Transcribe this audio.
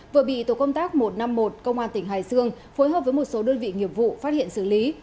vừa bị tổ công tác một trăm năm mươi một công an tỉnh hải dương phối hợp với một số đơn vị nghiệp vụ phát hiện xử lý